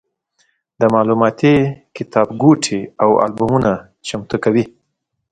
د معلوماتي کتابګوټي او البومونه چمتو کوي.